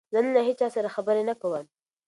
زه نن له هیچا سره خبرې نه کوم.